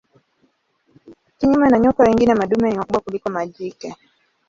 Kinyume na nyoka wengine madume ni wakubwa kuliko majike.